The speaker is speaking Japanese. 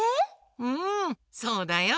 うんそうだよ。